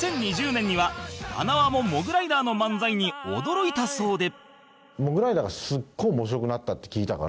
２０２０年には塙もモグライダーの漫才に驚いたそうで